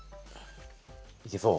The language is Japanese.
いけそう？